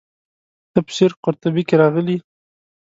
تفسیر قرطبي کې راغلي.